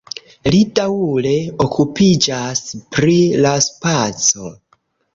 Li daŭre okupiĝas pri la spaco.